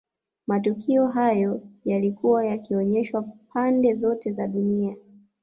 Matukio hayo yalikuwa yakionyeshwa pande zote za dunia